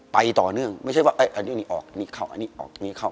ไปต่อเนื่องไม่ใช่ว่าอันนี้ออกนี่เข้าอันนี้ออกนี้เข้า